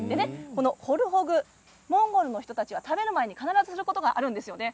ホルホグ、モンゴルの人たちは食べる前に必ずやることがあるんですよね。